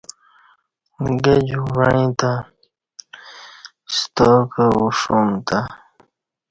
گہ جوک وعں تے ستاکہ اوݜہ امتہ